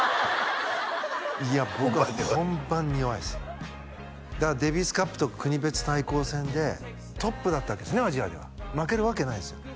いや僕は本番に弱いですだからデビスカップと国別対抗戦でトップだったわけですねアジアでは負けるわけないんですよ